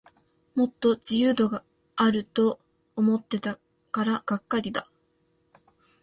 もっと自由度あると思ってたからがっかりだ